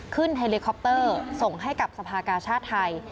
เฮลิคอปเตอร์ส่งให้กับสภากาชาติไทย